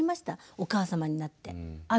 お母様になって。